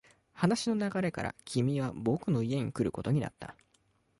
話の流れから、君は僕の家に来ることになった。